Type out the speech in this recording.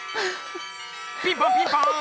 ピンポンピンポン！